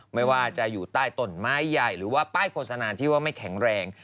ไม่ว่าจะอยู่ใต้ต้นไม้ใหญ่หรือว่าป้ายโฆษณาที่ว่าไม่แข็งแรง